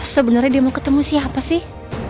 sebenarnya dia mau ketemu siapa sih